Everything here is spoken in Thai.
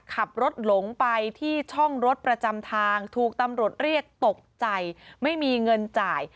ขับรถหลงไปที่ช่องรถประจำทางถูกตำรวจเรียกตกใจไม่มีเงินจ่าย